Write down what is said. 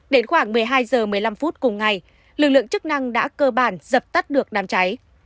đến khoảng một mươi hai h một mươi năm phút cùng ngày lực lượng chức năng đã cơ bản dập tắt được đám cháy